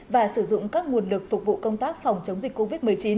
và sử dụng các nguồn lực phục vụ công tác phòng chống dịch covid một mươi chín